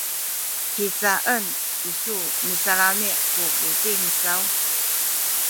hicaen isu misalami’ ku buting saw?